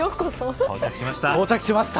到着しました。